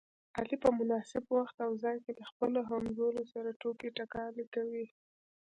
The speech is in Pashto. علي په مناسب وخت او ځای کې له خپلو همځولو سره ټوکې ټکالې کوي.